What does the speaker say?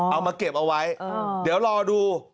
เอามาเก็บเอาไว้เดี๋ยวรอดู